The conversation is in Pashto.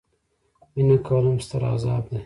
مینه کول هم ستر عذاب دي.